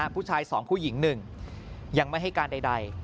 ผู้ชาย๒ผู้หญิง๑ยังไม่ให้การใด